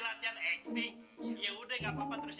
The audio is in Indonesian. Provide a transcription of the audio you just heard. latihan acting ya udah nggak